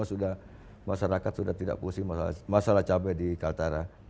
karena sudah masyarakat sudah tidak pusing masalah cabai di kaltara